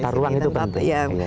tata ruang itu penting